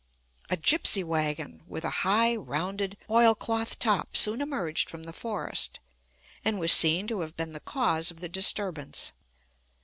A gypsy wagon, with a high, rounded, oil cloth top soon emerged from the forest, and was seen to have been the cause of the disturbance.